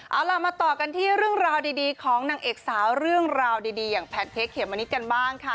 เอาล่ะมาต่อกันที่เรื่องราวดีของนางเอกสาวเรื่องราวดีอย่างแพนเค้กเขมมะนิดกันบ้างค่ะ